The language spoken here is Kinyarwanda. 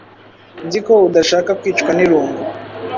Nzi ko udashaka kwicwa nirungu.